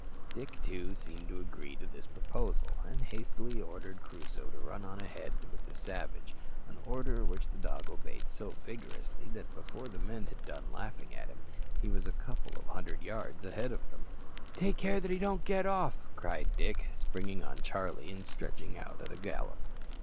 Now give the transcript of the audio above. Dick, too, seemed to agree to this proposal, and hastily ordered Crusoe to run on ahead with the savage; an order which the dog obeyed so vigorously that, before the men had done laughing at him, he was a couple of hundred yards ahead of them. "Take care that he don't get off!" cried Dick, springing on Charlie and stretching out at a gallop.